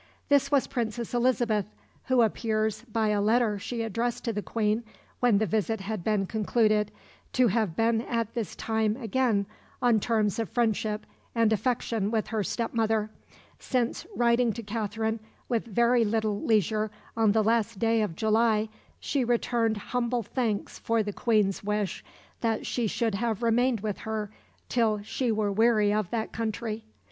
This was the Princess Elizabeth, who appears, by a letter she addressed to the Queen when the visit had been concluded, to have been at this time again on terms of friendship and affection with her step mother, since writing to Katherine with very little leisure on the last day of July, she returned humble thanks for the Queen's wish that she should have remained with her "till she were weary of that country."